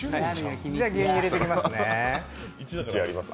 牛乳入れていきますね。